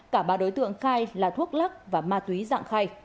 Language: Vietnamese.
cả ba đối tượng khai là thuốc lắc và ma túy dạng khay